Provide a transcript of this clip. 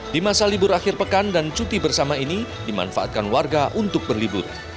di masa libur akhir pekan dan cuti bersama ini dimanfaatkan warga untuk berlibur